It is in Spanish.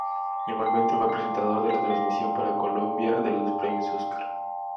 Igualmente fue presentador de la transmisión para Colombia de los Premios Óscar.